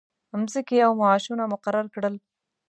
مځکې او معاشونه مقرر کړل.